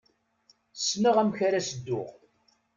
Ssneɣ amek ara s-dduɣ.